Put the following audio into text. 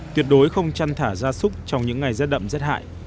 tuyệt đối không chăn thả ra súc trong những ngày rét đậm rét hại